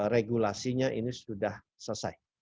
regulasinya ini sudah selesai